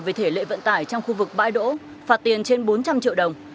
về thể lệ vận tải trong khu vực bãi đỗ phạt tiền trên bốn trăm linh triệu đồng